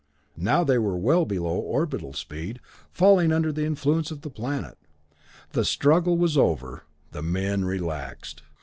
Now they were well below orbital speed, falling under the influence of the planet. The struggle was over the men relaxed.